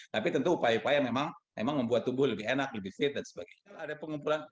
tapi tentu upaya upaya memang membuat tubuh lebih enak lebih fit dan sebagainya